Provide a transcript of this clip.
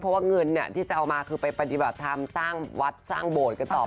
เพราะว่าเงินที่จะเอามาคือไปปฏิบัติธรรมสร้างวัดสร้างโบสถ์กันต่อ